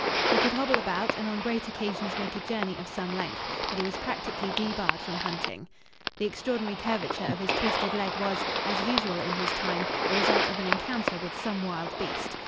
He could hobble about and on great occasions make a journey of some length, but he was practically debarred from hunting. The extraordinary curvature of his twisted leg was, as usual in his time, the result of an encounter with some wild beast.